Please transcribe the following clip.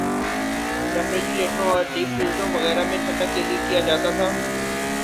ریفریجریٹروں اور ڈیپ فریزروں وغیرہ میں ٹھنڈک کیلئے کیا جاتا تھا